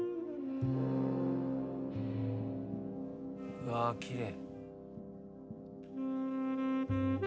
うわー、きれい。